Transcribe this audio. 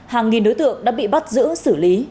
hàng nghìn đối tượng đã bị bắt giữ xử lý